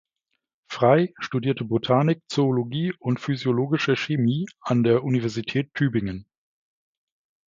Frey studierte Botanik, Zoologie und physiologische Chemie an der Universität Tübingen.